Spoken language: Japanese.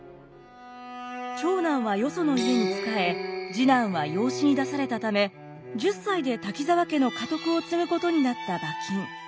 長男はよその家に仕え次男は養子に出されたため１０歳で滝沢家の家督を継ぐことになった馬琴。